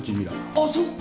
あっそうか！